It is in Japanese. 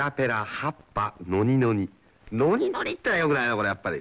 「のにのに」っていうのはよくないなこれやっぱり。